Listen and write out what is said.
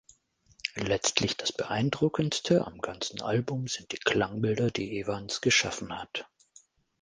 Letztlich das Beeindruckendste am ganzen Album sind die Klangbilder, die Evans geschaffen hat.